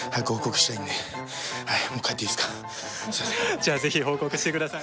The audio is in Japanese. じゃあぜひ報告して下さい。